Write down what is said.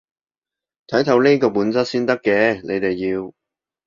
睇透呢個本質先得嘅，你哋要